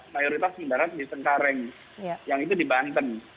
mayoritas mendarat di cengkareng yang itu di banten